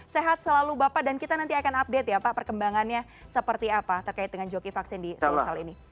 sehat selalu bapak dan kita nanti akan update ya pak perkembangannya seperti apa terkait dengan joki vaksin di sulsel ini